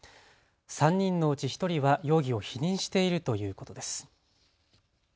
３人のうち１人は容疑を否認しているということです。